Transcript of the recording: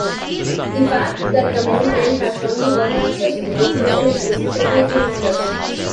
The fact that the mountain has only one access road facilitates security matters.